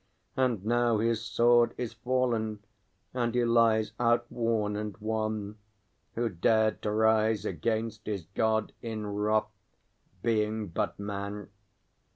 And now his sword is fallen, and he lies outworn and wan Who dared to rise against his God in wrath, being but man.